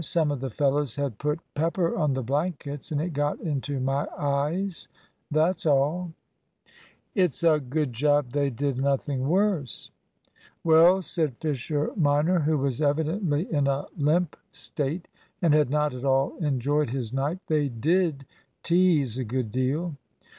"Some of the fellows had put pepper on the blankets, and it got into my eyes that's all." "It's a good job they did nothing worse." "Well," said Fisher minor, who was evidently in a limp state, and had not at all enjoyed his night, "they did tease a good deal."